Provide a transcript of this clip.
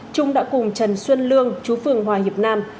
trung đã cùng trần xuân lương chú phường hòa hiệp nam